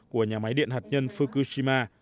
của nhà máy điện hạt nhân fukushima